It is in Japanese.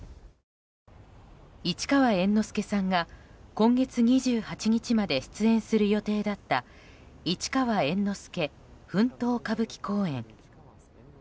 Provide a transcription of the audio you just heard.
市川猿之助さんが今月２８日まで出演する予定だった「市川猿之助奮闘歌舞伎公演」。